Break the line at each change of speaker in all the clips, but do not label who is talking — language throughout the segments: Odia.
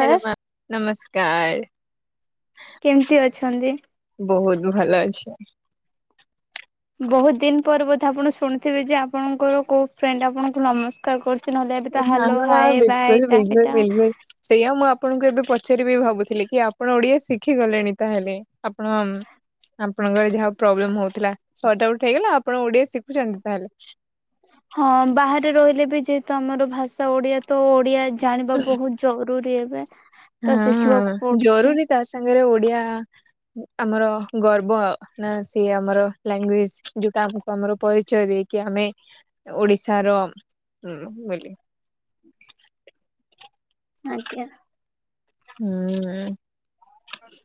ହ୍ୟାଲୋ ମ୍ୟାମ୍ ନମସ୍କାର।
କେମିତି ଅଛନ୍ତି?
ବହୁତ ଭଲ ଅଛି।
ବହୁତ ଦିନ ପରେ ବୋଧେ ଆପଣ ଶୁଣିଥିବେ ଯେ ଆପଣଙ୍କର କୋଉ ଫ୍ରେଣ୍ଡ ଆପଣଙ୍କୁ ନମସ୍ ସ୍କାର କରୁଛି ନହଲେ ଏବେ ତ
ନା
ହାଲୋ
ନା
ହାଏ ବାଏ
ବିଲକୁଲ
ଏଟା
ବିଲକୁଲ
ହେଟା
ବିଲକୁଲ। ସେଇଆ ମୁଁ ଆପଣଙ୍କୁ ଏବେ ପଚାରିବି ଭାବୁଥିଲି କି, ଆପଣ ଓଡ଼ିଆ ଶିଖିଗଲେଣି ତାହେଲେ। ଆପଣ ଆପଣଙ୍କରେ ଯାହା ପ୍ରୋବ୍ଲେମ୍ ହୋଉଥିଲା। ସଟ୍ ଆଉଟ୍ ହେଇଗଲା? ଆପଣ ଓଡ଼ିଆ ଶିଖୁଛନ୍ତି ତାହେଲେ।
ହଁ ବାହାରେ ରହିଲେ ବି ଯେହେତୁ, ଆମର ଭାଷା ଓଡ଼ିଆ ତ ଓଡ଼ିଆ ଜାଣିବା ବହୁତ୍ ଜରୁରୀ ଏବେ। ତ ଶିଖିବାକୁ
ହଁ
ପଡୁଛି
ଜରୁରୀ ତା ସାଙ୍ଗରେ ଓଡ଼ିଆ ଆମର ଗର୍ବ। ନା ସିଏ ଆମର ଲାଙ୍ଗୁଏଜ୍ ଯୋଉଟା ଆମକୁ ଆମର ପରିଚୟ ଦେଇ କି ଆମେ ଓଡ଼ିଶାର ବୋଲି।
ଆଜ୍ଞା।
ହୁଁ।
ହଁ [inaudible]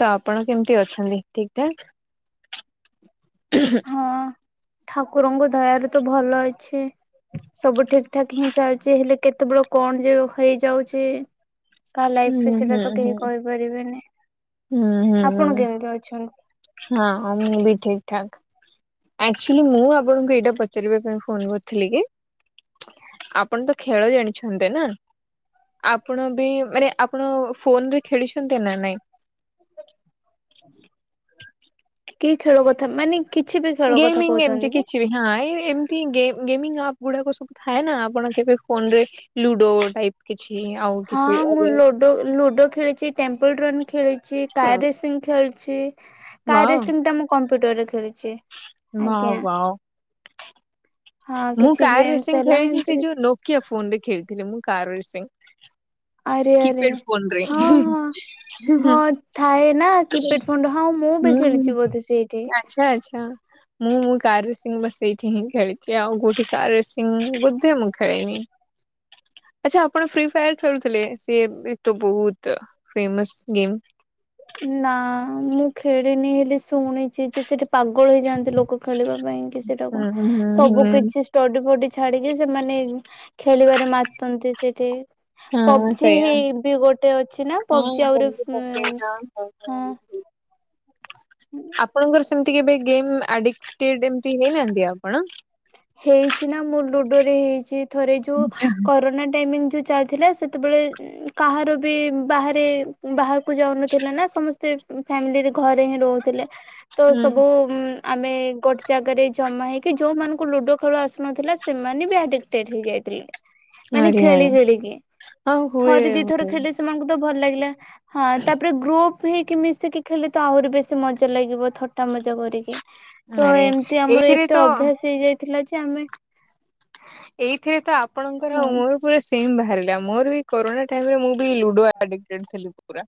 ତ ଆପଣ କେମିତି ଅଛନ୍ତି? ଠିକ୍ ଠାକ୍? ହମ୍ [unintelligible]
ହଁ ଠାକୁରଙ୍କ ଦୟାରୁ ତ ଭଲ ଅଛି। ସବୁ ଠିକ୍ ଠାକ୍ ହିଁ ଚାଲିଛି। ହେଲେ କେତେବେଳେ କଣ ଯେ ହେଇଯାଉଛି କା
ହୁଁ
ଲାଇଫ୍ ରେ ସେଇଟା
ହୁଁ
ତ କେହି
ହୁଁ।
କହିପାରିବେନି। ଆପଣ କେମିତି ଅଛନ୍ତି?
ହଁ ହଁ ମୁଁ ବି ଠିକ୍ ଠାକ୍। ଆକ୍ଚିଲି ମୁଁ ଆପଣଙ୍କୁ ଏଇଟା ପଚାରିବା ପାଇଁ ଫୋନ୍ କରିଥିଲି କି ଆପଣ ତ ଖେଳ ଜାଣିଛନ୍ତି ନା? ଆପଣ ବି ମାନେ ଆପଣ ଫୋନ୍ ରେ ଖେଳିଛନ୍ତି ନା ନାଇଁ?
କି ଖେଳ କଥା, ମାନେ କିଛି ବି ଖେଳ କଥା
ଗେମିଙ୍ଗ ଏମିତି
କହୁଛନ୍ତି କି?
କିଛି ବି ହଁ ଏଇ ଏମିତି ଗେମ୍ ଗେମିଙ୍ଗ ଆପ୍ ଗୁଡ଼ାକ ସବୁ ଥାଏ ନା, ଆପଣ କେବେ ଫୋନ୍ ରେ ଲୁଡ଼ୋ ଟାଇପ୍। କିଛି ଆପ୍
ହଁ ମୁଁ ଲୁଡ଼ୋ, ଲୁଡ଼ୋ ଖେଳିଛି, ଟେମ୍ପଲ୍ ରନ୍ ଖେଳିଛି। କାର ରେସିଂ ଖେଳିଛି କାର୍ ରେସିଂ ଟା ମୁଁ କମ୍ପ୍ୟୁଟର୍ ରେ ଖେଳିଛି।
ମାଁ
ଆଜ୍ଞା
ୱାଓ।
ହଁ
ମୁଁ
କିଛି
କାର୍
ଗେମ୍ସ
ରେସିଂ
ହେଲା
ଖେଳିଛି ସେ
ଏମିତି କିଛି
ଯୋଉ ନୋକିଆ ଫୋନ୍ ରେ ଖେଳିଥିଲି ମୁଁ କାର୍ ରେସିଂ।
ଆରେ ଆରେ
କିପ୍ୟାଡ ଫୋନ ରେ
ହଁ ହଁ ହଁ
ହୁଁ
ଥାଏନା କିପଟ୍ ଫଣ୍ଡ୍ ହଁଉ ମୁଁ ବି
ହୁଁ
ଖେଳିଛି ବୋଧେ ସେଇଠି।
ଆଚ୍ଛା ଆଚ୍ଛା ମୁଁ ମୁଁ କାର୍ ରେସିଂ ବା ସେଇଠି ହିଁ ଖେଳି ଛି ଆଉ କୋଉଠି କାର୍ ରେସିଂ ବୋଧେ ମୁଁ ଖେଳିନି। ଆଚ୍ଛା ଆପଣ ଫ୍ରି ଫାୟାର୍ ଖେଳୁଥିଲେ? ସିଏ ବି ତ ବହୁତ ଫେମସ୍ ଗେମ୍।
ନା ମୁଁ ଖେଳିିନି ହେଲେ ଶୁଣିଛି ଯେ ସେଠ୍ ପାଗଳ ହେଇଯାଆନ୍ତି ଲୋକ ଖେଳିବା ପାଇଁ କି ସେଟାକୁ।
ହୁଁ ହୁଁ ହୁଁ
ସବୁ କିଛି ଟଡ଼ି ଫଡ଼ି ଛାଡିକି ସେମାନେ ଖେଳିବାରେ ମାତନ୍ତି ସେଠି।
ହଁ
ପବ୍ଜି
ସେଇଆ
ହେଇ ବି ଗୋଟେ ଅଛି ନା? ପବ୍ଜି ଆହୁରି
ହଁ ହ
ହଁ
ହ। ଆପଣଙ୍କର ସେମିତି କେବେ ଗେମ୍ ଆଡିକ୍ଟେଡ଼୍ ଏମତି ହେଇନାହାନ୍ତି ଆପଣ?
ହେଇଛି ନା ମୁଁ ଲୁଡ଼ୋ ରେ ହେଇଛି ଥରେ ଯୋଉ
ହୁଁ
କରୋନା ଟାଇମିଂ ଯୋଉ ଚାଲ୍ ଥିଲା ସେତେବେଳେ କାହାର ବି ବାହାରେ ବାହାରକୁ ଯାଉନଥିଲେ ନା ସମସ୍ତେ ଫ୍ୟାମିଲିରେ ଘରେ ହିଁ ରହୁଥିଲେ। ତ ସବୁ ଆମେ ଗୋଟେ ଜାଗାରେ ଜମା ହେଇକି ଯୋଉ ମାନଙ୍କୁ ଙ୍କୁ ଲୁଡ଼ୋ ଖେଳୁ ଆସୁନଥିଲା ସେମାନେ ବି ଆଡିକ୍ଟେଡ଼୍ ହେଇଯାଇଥିଲେ। ମାନେ
ଆରେ
ଖେଳି
ଆରେ
ଖେଳିକି।
ହଁ ହୁଏ
ଥରେ ଦି ଥର ଖେଳିଳେ ସେ ସେମାନଙ୍କୁ ତ ଭଲ ଲାଗିଲା। ହଁ ତାପରେ ଗ୍ରୁପ୍ ଫ୍ରି ହେଇକି ମିଶିକି ଖେଳି ତ ଆହୁରି ବେଶୀ ମଜା ଲାଗିବ। ଥଟ୍ଟା ମଜା କରିକି। ତ
ଆରେ
ଏମତି ଆମର
ଏଇଥିରେ ତ
ଏତେ ଅଭ୍ୟାସ ହେଇଯାଇଥିଲା ଯେ ଆମେ
ଏଇଥିରେ ତ ଆପଣଙ୍କର ଆଉ
କୁହନି।
ମୋର ପୁରା ସେମ୍ ବାହାରିଲା। ମୋର ବି କୋରନା ଟାଇମ୍ ରେ ମୁଁ ବି ଲୁଡୁ ଆଡ଼ିକ୍ଟେଡ଼୍ ଥିଲି ପୁରା।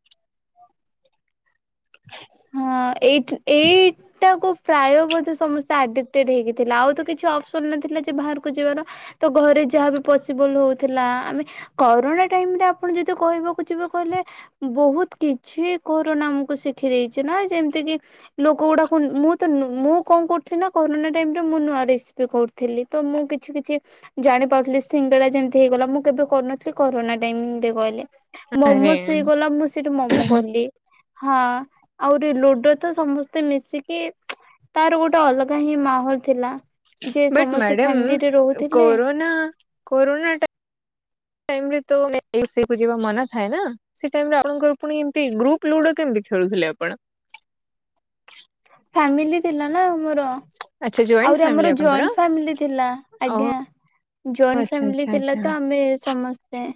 ହଁ ଏଇଠ ଏଇ ଟା କ ପ୍ରାୟ ମଧ୍ୟ ସମସ୍ତେ ଆଡିକଟେଡ ହେଇକି ଥିଲା ଆଉ ତ କିଛି ଅପସନ ନଥିଲା ଯେ ବାହାରକୁ ଯିବାର। ତ ଘରେ ଯାହାବି ପସିବଲ ହଉଥିଲା ଆମେ କରୋନା ଟାଇମ ରେ ଆପଣ ଯଦି କହିବାକୁ ଯିବେ କହିଲେ ବହୁତ କିଛି କରରନା ଆମକୁ ଶିଖି ଦେଇେଇଛି ନା ଯେମତି କି ଲୋକ ଗୁଡାକ ମୁଁ ତ ମୁଁ କଣ କରୁି ନା କରୋନା ଟାଇମ ରେ ମୁଁ ନୂଆ ରେସିପି କରୁ ଥିଲି ତ ମୁଁ କିଛି କିଛି ଜାଣି ପାରୁଥିଲି ସିଙ୍ଗଡା ଯେମିତି ହେଇଗଲା ମୁଁ କେବେ କରୁନଥିଲି କରୋନା ଟାଇମରେ କହିଲେ। ମୋମୋ ହେଇ ଗଲା ମୁଁ ସେଇଠି ମୋମୋ କଲି ହଁ। ଆହୁରି ଲୁଡୋ ତ ସମସ୍ତେ ମିଶିକି ତାର ଗୋଟେ ଅଲଗା ହିଁ ମାହୋଲ ଥିଲା। ଯେ
ବଟ
ସମସ୍ତେ
ମ୍ୟାଡ଼ମ
ଫ୍ୟାମିଲିରେ ରହୁଥିଲେ
କରନା କରନା ଟାଇ ଯିବା ମନା ଏ ସେ ଟାଇ ଆପଣଙ୍କର ପୁଣି ଏ ଗ୍ରୁପ ଲୁଡୋ କେମିତି ଖେଳୁଥିଲେ ଆପଣ?
ଫାମିଲି ଥିଲା ନା ମୋର।
ଆଚ୍ଛା ଜଏଣ୍ଟ
ଆହୁରି
ଫ୍ୟାମିଲି
ଆମର
ଆପଣଙ୍କର?
ଜଏଣ୍ଟ ଫାମିଲି ଥିଲା
ଓହୋ
ଆଜ୍ଞା। ଜଏଣ୍ଟ
ଆଚ୍ଛା ଆଚ୍ଛା
ଫାମିଲି ଥିଲା
ଆଚ୍ଛା
ତ ଆମେ ସମସ୍ତେ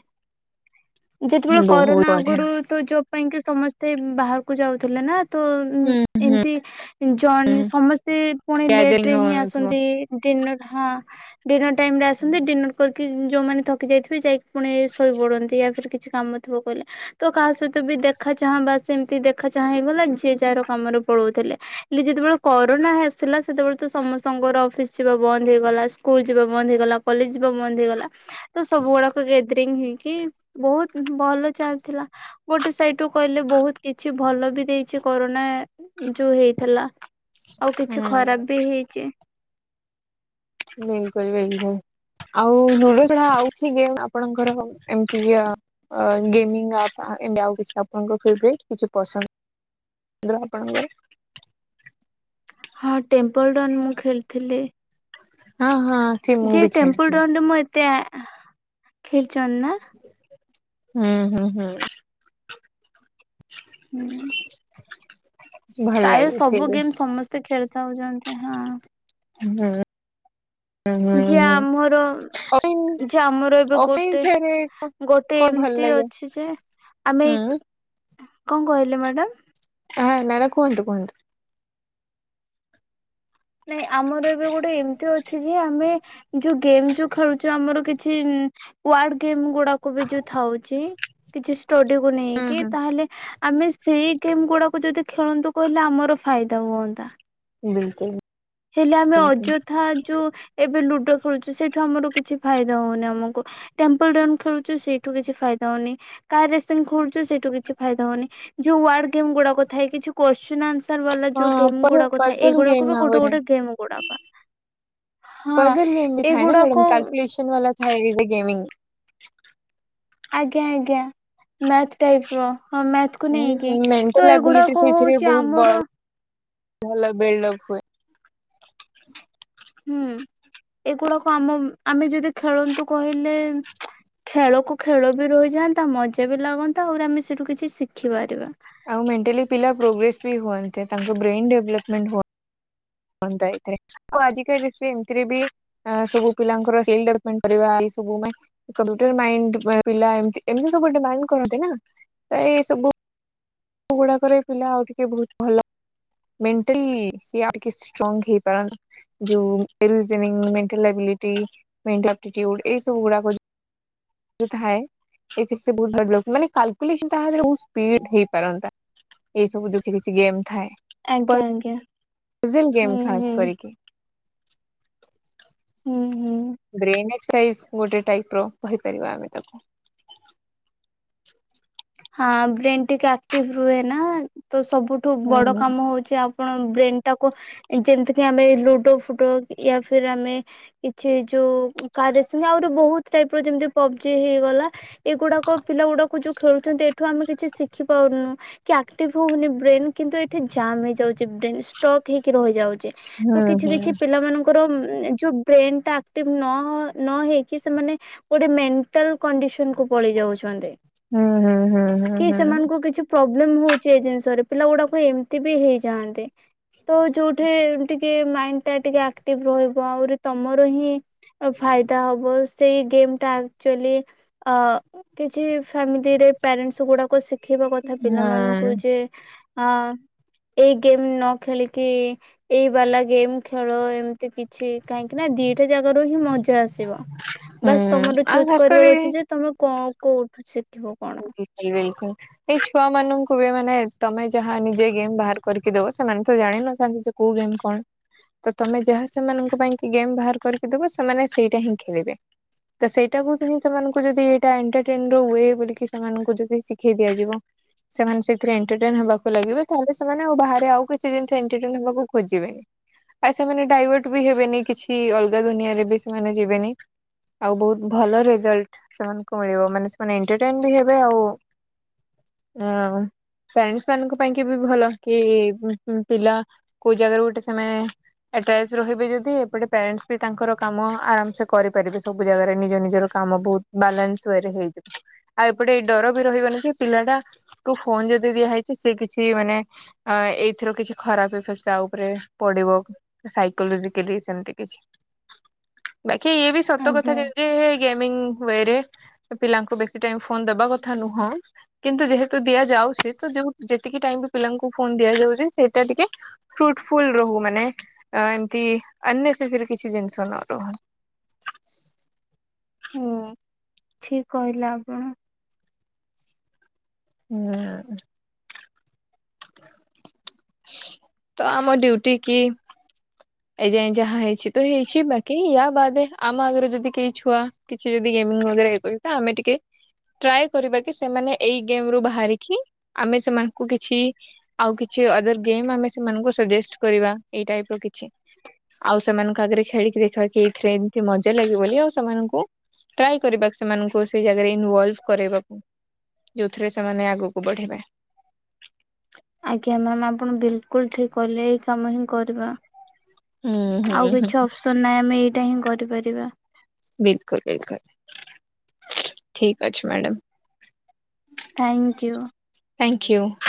ଯେତେବେଳେ
ବହୁତ
କରୋନା
ବଢିଆ
ଆଗରୁ ତ ଯୋବ ପାଇଁ କି ସମସ୍ତେ ବାହାରକୁ ଯାଉଥିଲେ ନା। ତ ଉ
ହୁଁ।
ଏମିତି
ହୁଁ
ଜଣ ସମସ୍ତେ ପୁଣି ଲେଟ୍
ଗ୍ୟାଦରିଙ୍ଗ ହଉନଥିବ
ଡି ହଁ ଡିନର ଟାଇମରେ ଆସନ୍ତି ଡିନର କରିକି ଯୋଉମାନେ ଥକି ଯାଇଥିବେ ଯାଇ ପୁଣି ଶୋଇ ପଡନ୍ତି ୟ ଫର କିଛି କାମ ଥିବ କହିଲେ ତ କାହା ସହିତ ବି ଦେଖା ଚାହାଁ ବା ସେମିତି ଦେଖା ଚାହାଁ ହେଇଗଲା ଯିଏ ଯାହାର କାମରେ ପଳଉଥିଲେ। ଯେତେବେଳେ କରୋନା ଆସିଲା ସେତେବେଳେ ତ ସମସ୍ତଙ୍କର ଅଫିସ ଯିବା ବନ୍ଦ ହେଇଗଲା ସ୍କୁଲ ଯିବା ବନ୍ଦ ହେଇଗଲା କଲେଜ ଯିବା ବନ୍ଦ ହେଇଗଲା। ତ ସବୁ ଗୁଡାକ ଗେଦରିଙ୍ଗ ହେଇକି ବହୁତ ଭଲ ଚାଲିଥିଲା। ଗୋଟେ ସେଇଟୁ କହିଲେ ବହୁତ କିଛି ଭଲ ବି ଦେଇଛି କରୋନା ଯୋଉ ହେଇଥିଲା ଆଉ କିଛି
ହୁଁ
ଖରାପ ବି ହେଇଛି।
ବିଲକୁଲ ବିଲକୁଲ ଆଉ ନୁଡଲ ଯା ଆଉଛି କି ଆପଣଙ୍କର ଏମିତି କି? ଗେମିଙ୍ଗ ଆପ କିଛି ଆପଣଙ୍କ ଫେବଟ କି ପସନ୍ଦ ଆ୍ର ଆପଣଙ୍କର?
ହଁ ଟେମ୍ପଲ୍ ରନ୍ ମୁଁ ଖେଳିଥିଲି।
ହଁ ହଁ ସେ ମୁଁ
ଯେ
ବି
ଟେମ୍ପଲ
ଖେଳିଛି
ରନ ମୁଁ ଏତେ ଖେଳିଛନ୍ତି ନା?
ହୁଁ ହୁଁ ହୁଁ
ହୁଁ
ଭଲ
ପ୍ରାୟ
ଲାଗେ
ସବୁ
ସିଏ
ଗେମ୍ ସମସ୍ତେ ଖେଳିଥାଉଛନ୍ତି। ହଁ
ହଁ
ଯେ ଆମର
ହଁ
ଯେ
ହ
ଆମର ଏବେ ଗୋଟେ
ଅଫ
ଗୋଟେ ଏମିତି ଅଛି ଯେ ଆମେ
ହୁଁ ହଁ
କଣ କହିଲେ ମ୍ୟାଡାମ?
ହଁ ନଲେ କୁହନ୍ତୁ କୁହନ୍ତୁ?
ନାଇଁ ଆମର ଏବେ ଗୋଟେ ଏମିତି ଅଛି ଯେ ଆମେ ଯୋଉ ଗେମ ଯୋଉ ଖେଳୁଛୁ ଆମର କିଛିାର୍ ଗେମ୍ ଗୁଡା କ ବି ଯୋଉ ଥାଉଛି କିଛି ଷ୍ଟଡି କୁ
ହୁଁ
ନେଇକି
ହୁଁ।
ତାହେଲେ ଆମେ ସେଇ ଗେମ୍ ଗୁଡାକୁ ଯଦି ଖେଳନ୍ତୁ କହିଲେ ଆମର ଫାଇଦା ହୁଅନ୍ତା
ବିଲକୁଲ
ହେଲେ ଆମେ ଅଯଥା ଯୋଉ ଏବେ ଲୁଡୋ ଖେଳୁଛୁ ସେଇଠୁ ଆମର କିଛି ଫାଇଦା ହଉନି ଆମକୁ ଟେମ୍ପଲ ରନ୍ ଖେଳୁଛୁ ସେଇଠୁ କିଛି ଫାଇଦା ହଉନି, କାର ରେସିଙ୍ଗ ଖେଳୁଛୁ ସେଇଠୁ କିଛି ଫାଇଦା ହଉନି, ଯୋଉ ୱାର୍ଡ ଗେମ୍ ଗୁଡାକ ଥାଏ କିଛି କ୍ବସିନ ଆନ୍ସ୍ଵର ବାଲା ଯୋଉ
ହଁ
ଗେମ୍
ପଜଲ
ଗୁଡାକ ଥାଏ
ପଜଲ
ଏଇଗୁାକୁ
ଗେମ୍
ଗୋଟେ
ଥାଏ
ଗୋଟେ ଗେମ୍ ଗୁଡାକ। ହଁ
ପଜଲ ଗେମ୍ ବି ଥାଏ ନା
ଏଗୁଡାକ
ମ୍ୟାଡାମ [inaudible] ବାଲା ଥାଏ ଗେମିଙ୍ଗ।
ଆଜ୍ଞା ଆଜ୍ଞା ମେଥ ଟାପିଇ ର ହଁ ମେଥ କୁ ନେଇକି
ହୁଁ ମେଣ୍ଟାଲ
ତ
ଆବିଲିଟି
ଏଗୁଡାକ
ସେଇଥିରେ
ହଉଛି
ବହୁତ
ଆମର
ବଡ ଭଲ ବିଲ୍ଡ ଅପ ହୁଏ।
ହୁଁ ଏଗୁଡାକୁ ଆମ ଆମେ ଯଦି ଖେଳନ୍ତୁ କହିଲେ ଖେଳକୁ ଖେଳ ବି ରହିଯାଆନ୍ତା ମଜା ବି ଲାଗନ୍ତା ଆହୁରି ଆମେ ସେଠୁ କିଛି ଶିଖିପାରିବା।
ଆଉ ମେଣ୍ଟାଲି ପିଲା ପ୍ରୋଗ୍ରେସ ବି ହୁଅନ୍ତି ତାଙ୍କ ବ୍ରେନ ଡେଭଲପମେଣ୍ଟ ହୁ ବନ୍ଦ ଥାଏ ଏଥରେ ଆଉ ଆଜିକା ଡେଟରେ ଏମିତିରେ ବି ସବୁ ପିଲାଙ୍କର ସ୍କିଲ ଡେଭଲପମେଣ୍ଟ କରିବା ଏ ସବୁ ପାଇଁ କମ୍ପୁଟର ମାଇଣ୍ଡି ପିଲା ଏମତି ସବୁ ଡିମାଣ୍ଡ କରନ୍ତି ନା ପ୍ର ଏ ସବୁ ସବୁ ଗୁଡାକରେ ପିଲା ଆଉ ଟିକେ ବହୁତ ଭଲ ମେଣ୍ଟାଲି ସିଏ ଆଉ କିଛି ଷ୍ଟ୍ରଙ୍ଗ ହେଇପାରାନ୍ତି। [inaudible] ଜଉ ଥାଏ ଏଥି ରେ ସବୁ ବହୁତ ବଡ ଲୋକ ମାନେ କଲ। ତାରେ ବହୁତ ସ୍ପିଡ ହେଇପାରନ୍ତା ଏଇ ସବୁ କିଛି କିଛି ଗେମ୍ ଥାଏ।
ଆଜ୍ଞା ଆଜ୍ଞା।
ଫିଜଲ
ହୁଁ
ଗେମ୍ ଖାସ୍
ହୁଁ
କରିକି।
ହୁଁ ହୁଁ।
ବ୍ରେନଏସ୍କ ସାଇଜ ଗୋଟେ ଟାଇପ ର କହିପାରିବା ଆମେ ତାକୁ।
ହଁ ବ୍ରେନ ଟିକେ ଆକ୍ଟିଭି ରୁହେ ନା ତ ସବୁଠୁ
ହୁଁ
ବଡ କାମ ହଉଛି ଆଉ କଣ ବ୍ରେନ ଟାକୁ ଯେମତିକ ଆମେ ଲୁଡୋ, ଫୁଡୋ ୟା ଫିର ଆମେ କିଛି ଯୋଉ କାଦ ସିଂ ଆହୁରି ବହୁତ ଟାଇପ ର ଯେମିତି ପବଜି ହେଇଗଲା ଏଗୁଡାକ ପିଲା ଗୁଡାକୁ ଯୋଉ ଖେଳୁଛନ୍ତି ଏଠୁ ଆମେ କିଛି ଶିଖି ପାରୁନୁ କି ଆକ୍ଟିଭ ହଉନି ବ୍ରେନ କିନ୍ତୁ ଏଠି ଜାମ ହେଇଯାଉଛି ବ୍ରେନ୍ ଷ୍ଟକ ହେଇକି ରହିଯାଉଛି।
ହୁଁ
ତ
ହୁଁ
କିଛି କିଛି
ହୁଁ
ପିଲାମାନଙ୍କୁ ଙ୍କର ଯୋଉ ବ୍ରେନ ଟା ଆକ୍ଟିଭ ନ ନ ହେଇକି ସେମାନେ ଗୋଟେ ମେଣ୍ଟାଲ କଣ୍ଡିସନ କୁ ପଳେଇ ଯାଉଛନ୍ତି।
ହୁଁ ହୁଁ ହୁଁ ହୁଁ।
କି ସେମାନଙ୍କୁ କିଛି ପ୍ରୋବ୍ଲେମ ହଉଛି ଏ ଜିନିଷରେ ପିଲା ଗୁଡାକୁ ଏମତି ବି ହେଇଯାଆନ୍ତି। ତ ଯୋଉଠି ଟିକେ ମାଇଣ୍ଡ ଟା ଟିକେ ଆକ୍ଟିଭ ରହିବ ଆହୁରି ତମର ହିଁ ଫାଇଦା ହବ ସେଇ ଗେମ୍ ଟା ଆକ୍ଚୁଲି ଅ କିଛି ସେମିତିରେ ପ୍ୟାରେଣ୍ଟସ ଗୁଡାକ ଶିଖେଇବା କଥା
ହୁଁ
ପିଲାମାନଙ୍କୁ ଯେ ହଁ ଏଇ ଗେମ୍ ନ ଖେଳିକି ଏଇ ବାଲା ଗେମ୍ ଖେଳ ଏମିତ ଏମିତି କିଛି କାହିଁକି ନା ଦିଟା ଜାଗାରୁ ହିଁ ମଜା ଆସିବ। ବାସ୍ ତମର
ଆଉ
ଚୁଜ୍
ଖାସ୍ କରି
କରିବାର ଅଛି ଯେ ତମେ କଣ କୋଉ ଠୁ
ବିଲକୁଲ। ଏଇ ଛୁଆ ମାନଙ୍କୁ ବି ମାନେ ତମେ ଯାହା ନିଜେ ଗେମ୍ ବାହାର କରିକି ଦବ ସେମାନେ ତ ଜାଣିନଥାନ୍ତି କୋଉ ଗେମ କଣ? ତ ତମେ ଯାହା ସେମାନଙ୍କ ପାଇଁ କି ଗେମ୍ ବାହାର କରିକି ଦେବ ସେମାନେ ସେଇଟା ହିଁ ଖେଳିବେ, ତ ସେଇଟାକୁ ହିଁ ସେମାନଙ୍କୁ ଯଦି ଏଇଟା ଏଣ୍ଟରଟେନ ରୁ ହୁଏ ବୋଲି, ଖୀ ସେମାନଙ୍କୁ ଯଦି ଶିଖେଇ ଦିଆଯିବ, ସେମାନେ ସେଥିରେ ଏଣ୍ଟରଟେନ ହେବାକୁ ଲାଗିବେ ତାହେଲେ ସେମାନେ ଆଉ ବାହାରେ ଆଉ କିଛି ଜିନିଷ ଏଣ୍ଟରଟେନ ହେବାକୁ ଖୋଜିବେ, ଆଉ ସେମାନେ ଡାଇଭର୍ଟ ବି ହେବେନି କିଛି ଅଲଗା ଦୁନିଆରେ ବି ସେମାନେ ଯିବେନି, ଆଉ ବହୁତ୍ ଭଲ ରେଜଲଟ୍ ସେମାନଙ୍କୁ ମିଳିବ ମାନେ ସେମାନେ ଏଣ୍ଟରଟେନ ବି ହେବେ ଆଉ, ହଁ, ଫ୍ୟାରେଣ୍ଟସ୍ ମାନଙ୍କ ପାଇଁ କି ବି ଭଲ କି ହୁଁ-ହୁଁ ପିଲା କୋଉ ଜାଗାରୁ ଗୋଟେ ସେମାନେ, ଏଟ୍ଟଚ୍ଛ ରହିବେ ଯଦି ଏପଟେ ପ୍ୟାରେଣ୍ଟସ୍ ବି ତାଙ୍କର କାମ ଆରାମ୍ ସେ କରିପାରିବେ ସବୁ ଜାଗାରେ ନିଜ ନିଜର, କାମ ବହୁତ୍ ବାଲାନ୍ସ୍ ୱରେ ହେଇଯିବ ଆଉ ଏପଟେ ଏଇ ଡର ବି ରହିବନି ଯେ ପିଲାଟା, କୁ ଫୋନ୍ ଯଦି ଦିଆ ହେଇଛି ସେ କିଛି ମାନେ, ଅ ଏଇଥିରୁ କିଛି ଖରାପ୍ ଇଫେକ୍ଟ ତା ଉପରେ ପଡ଼ିବ, ସାଇକୋଲୋଜିକାଲି ସେମିତି କିଛି, ବାକି ଇଏ ବି ସତ କଥା
ଆଜ୍ଞା
ଯେମିତି ହେ ଗେମିଙ୍ଗ ୱେରେ ପିଲାଙ୍କୁ ବେଶୀ ତେ ଆଉ ଫୋନ୍ ଦେବା କଥା ନୁହଁ, କିନ୍ତୁ ଯେହେତୁ ଦିଆଯାଉଛି ତ ଯଉ ଯେତିକି ଟାଇମ ବି ପିଲାଙ୍କୁ ଫୋନ୍ ଦିଆଯାଉଛି ସେଇଟା ଟିକେ, ଫ୍ରୁଟଫୁଲ ରହୁ ମାନେ ଆ ଏମତି ଅନନେସେଶରି କିଛି ଜିନିଷ ନ ରହୁ,
ହୁଁ ଠିକ୍ କହିଲେ ଆପଣ,
ହୁଁ-ହୁଁ, ତ ଆମ ଡ୍ୟୁଟି କି, ଏଇ ଯାଇ ଯାହା ହେଇଛି ତ ହେଇଛି ବାକି ୟା ବାଦେ ଆମ ଆଗରେ ଯଦି କେହି ଛୁଆ, କିଛି ଯଦି ଗେମିଂ ବଗେରା ଇଏ କରିକି ତ ଆମେ ଟିକେ, ଟ୍ରାଏ କରିବା କି ସେମାନେ ଏଇ ଗେମ୍ ରୁ ବାହାରିକି ଆମେ ସେମାନଙ୍କୁ କିଛି, ଆଉ କିଛି ଅଦର ଗେମ୍ ଆମେ ସେମାନଙ୍କୁ ସଜେଷ୍ଟ୍ କରିବା ଏଇ ଟାଇପ୍ ର କିଛି, ଆଉ ସେମାନଙ୍କ ଆଗରେ ଖେଳିକି ଦେଖିବାକୁ ଏଇ ଟ୍ରେନ୍ ମଜା ଲାଗେ ବୋଲି ଆଉ ସେମାନଙ୍କୁ, ଟ୍ରାଏ କରିବା ସେମାନଙ୍କୁ ସେଇ ଜାଗାରେ ଇନଭଲଭ କରାଇବାକୁ, ଯୋଉଥିରେ ସେମାନେ ଆଗକୁ ବଢି଼ବେ,
ଆଜ୍ଞା ମ୍ୟାମ୍ ଆପଣ ବିଲକୁଲ ଠିକ୍ କଲେ ଏଇ କାମ ହିଁ କରିବା,
ହୁଁ ହୁଁ
ଆଉ
ହୁଁ
କିଛି ଅପସନ୍ ନାହିଁ ଆମେ ଏଇଟା ହିଁ କରିପାରିବା,
ବିଲକୁଲ-ବିଲକୁଲ ଠିକ୍ ଅଛି ମ୍ୟାଡ଼ାମ୍,
ଥ୍ୟାଙ୍କ କିୟୁ।
ଥ୍ୟାଙ୍କ କିୟୁ।